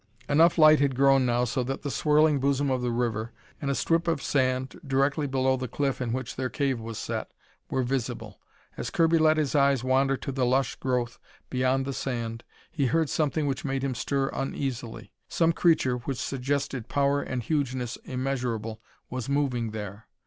Enough light had grown now so that the swirling bosom of the river, and a strip of sand directly below the cliff in which their cave was set, were visible. As Kirby let his eyes wander to the lush growth beyond the sand, he heard something which made him stir uneasily. Some creature which suggested power and hugeness immeasurable was moving there.